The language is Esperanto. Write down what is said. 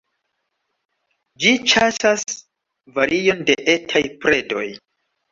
Ĝi ĉasas varion de etaj predoj.